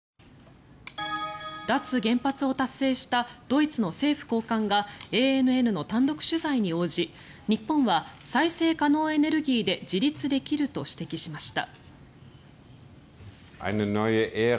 脱原発を達成したドイツの政府高官がＡＮＮの単独取材に応じ日本は再生可能エネルギーで自立できると指摘しました。